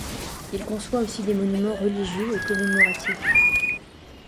Il conçoit aussi des monuments religieux et commémoratifs.